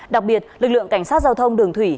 đặc biệt lực lượng cảnh sát giao thông đường thủy